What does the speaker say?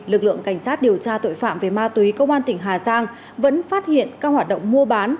lực lượng cảnh sát điều tra tội phạm về ma túy công an tỉnh hà giang vẫn phát hiện các hoạt động mua bán